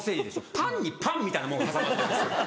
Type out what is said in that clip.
パンにパンみたいなもの挟まってるんですよ。